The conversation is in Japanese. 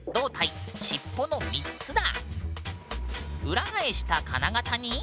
裏返した金型に。